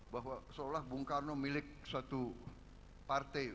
bahwa seolah bung karno milik suatu partai